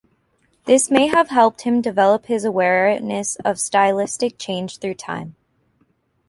This may have helped him develop his awareness of stylistic change through time.